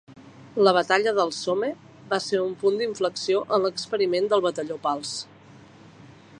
La Batalla del Somme va ser un punt d'inflexió en l'experiment del batalló Pals.